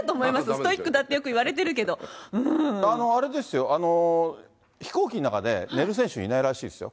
ストイックだってよくいわれてるあれですよ、飛行機の中で寝る選手、いないらしいですよ。